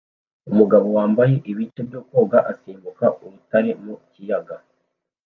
Umugabo wambaye ibice byo koga asimbuka urutare mu kiyaga